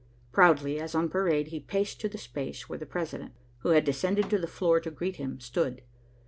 Proudly, as on parade, he paced to the space where the president, who had descended to the floor to greet him, stood.